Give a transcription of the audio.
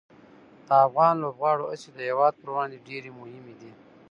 د افغان لوبغاړو هڅې د هېواد پر وړاندې ډېره مهمه دي.